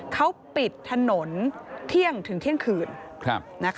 เขาปิดถนนเที่ยงถึงเที่ยงคืน